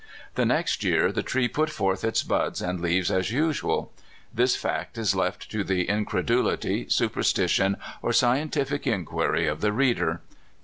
The next year the tree put forth its buds and leaves as usual. This fact is left to the incredulity, superstition, or scientific inquiry of the reader.